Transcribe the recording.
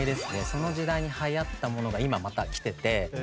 その時代に流行ったものが今またきてて。